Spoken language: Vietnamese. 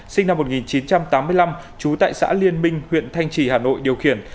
sinh năm một nghìn chín trăm tám mươi năm trú tại xã liên minh huyện thanh trì hà nội điều khiển